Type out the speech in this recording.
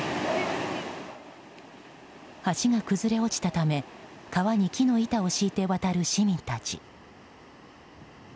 橋が崩れ落ちたため川に木の板を敷いて渡る市民たち。